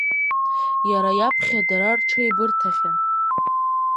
Иара иаԥхьа дара рҽеибырҭахьан.